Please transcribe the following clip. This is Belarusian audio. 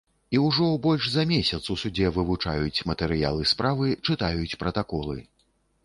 І ўжо больш за месяц у судзе вывучаюць матэрыялы справы, чытаюць пратаколы.